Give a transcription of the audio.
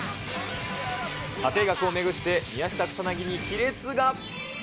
査定額を巡って、宮下草薙に亀裂が。